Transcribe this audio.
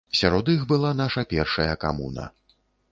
Сярод іх была наша першая камуна.